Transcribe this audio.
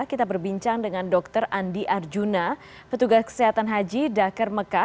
kita berbincang dengan dr andi arjuna petugas kesehatan haji dakar mekah